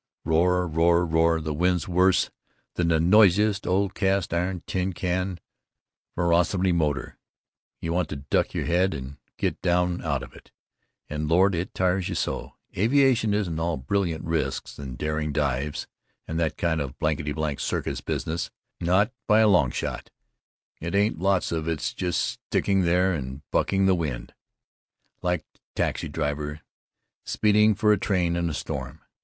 Roar, roar, roar, the wind's worse than the noisiest old cast iron tin can Vrenskoy motor. You want to duck your head and get down out of it, and Lord it tires you so—aviation isn't all "brilliant risks" and "daring dives" and that kind of blankety blank circus business, not by a long shot it ain't, lots of it is just sticking there and bucking the wind like a taxi driver speeding for a train in a storm.